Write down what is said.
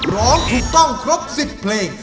ร้องถูกต้องครบ๑๐เพลง